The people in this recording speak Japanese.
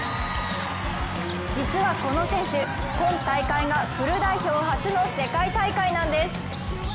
実はこの選手、今大会がフル代表初の世界大会なんです。